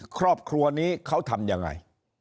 ครอบครัวนี้เขาทำยังไง